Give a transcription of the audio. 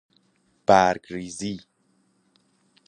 برگ ریزی